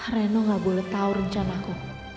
reno gak boleh tahu rencanaku